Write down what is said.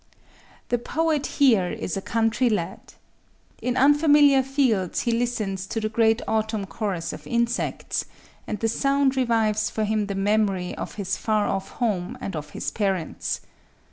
The poet here is a country lad. In unfamiliar fields he listens to the great autumn chorus of insects; and the sound revives for him the memory of his far off home and of his parents.